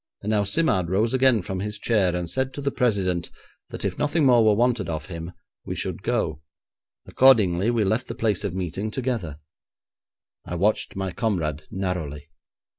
And now Simard rose again from his chair, and said to the president that if nothing more were wanted of him, we should go. Accordingly we left the place of meeting together. I watched my comrade narrowly.